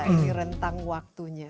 ini rentang waktunya